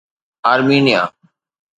Armenia